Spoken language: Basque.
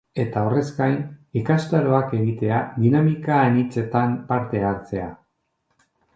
Eta horrez gain ikastaroak egitea, dinamika anitzetan parte hartzea...